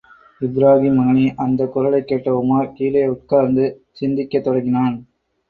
இபுராகீம் மகனே! அந்தக் குரலைக் கேட்ட உமார் கீழே உட்கார்ந்து, சிந்திக்கத் தொடங்கினான்.